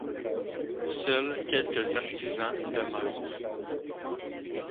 Seuls quelques artisans demeurent.